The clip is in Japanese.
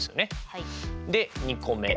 で２個目。